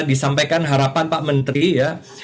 disampaikan harapan pak menteri ya